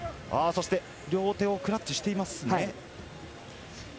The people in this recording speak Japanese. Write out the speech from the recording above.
両手をクラッチしていますね。